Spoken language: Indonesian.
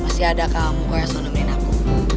masih ada kamu kurang sonumin aku